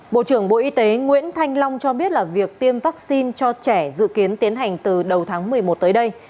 bộ trưởng bộ y tế nguyễn thanh long cho biết là việc tiêm vaccine cho trẻ dự kiến tiến hành từ đầu tháng một mươi một tới đây